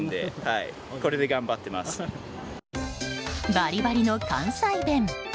バリバリの関西弁。